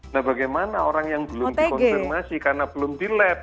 nah bagaimana orang yang belum dikonfirmasi karena belum dilab